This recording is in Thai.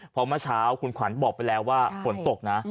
เพราะเมื่อเช้าคุณขวัญบอกไปแล้วว่าฝนตกนะ